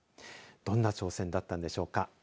どんな挑戦だったんでしょうか。